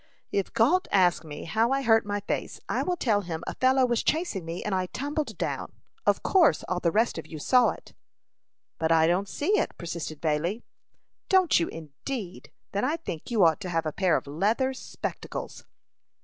"If Gault asks me how I hurt my face, I will tell him a fellow was chasing me, and I tumbled down. Of course all the rest of you saw it." "But I don't see it," persisted Bailey. "Don't you, indeed! Then I think you ought to have a pair of leather spectacles."